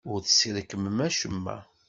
Ur tesrekmem acemma.